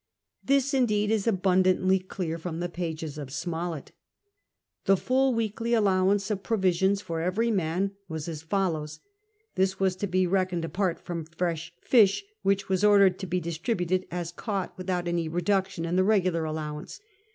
This, Indeed, is abundantly clear from the pages of Smollett. The full weekly allowance of ])rovisions for every man was as follows. This was to be reckoned ai)art from fresh flsh, which was ordered to be distributed as caught without any reduction in the regular allowance.